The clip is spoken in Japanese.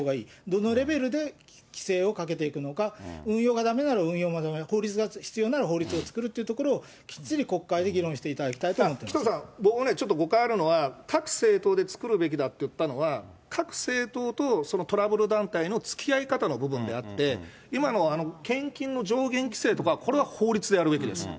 どのレベルで規制をかけていくのか、運用がだめなら運用で、法律が必要なら法律を作るっていうところをきっちり国会で議論し紀藤さん、僕ね、ちょっと誤解あるのは、各政党で作るべきだって言ったのは、各政党とそのトラブル団体のつきあい方の部分であって、今の献金の上限規制とか、これは法律でやるべきです。